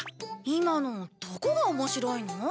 今のどこが面白いの？